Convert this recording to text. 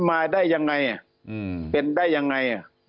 มาได้ยังไงเป็นได้ยังไง